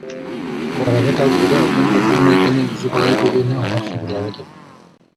Уорары-талыыры, албын-көлдьүн майгыны, ньүдьү-балай быһыыны олох сөбүлээбэт эбит